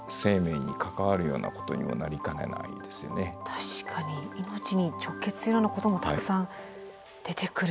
確かに命に直結するようなこともたくさん出てくる。